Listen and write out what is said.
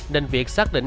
nên việc xác định